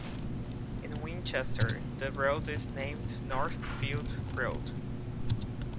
In Winchester, the road is named Northfield Road.